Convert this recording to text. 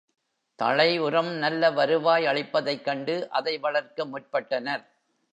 தழை உரம் நல்ல வருவாய் அளிப்பதைக் கண்டு அதை வளர்க்க முற்பட்டனர்.